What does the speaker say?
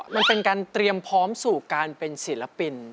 มันเป็นการเตรียมพร้อมสู่การเป็นศิลปิน